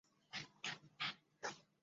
王羽人。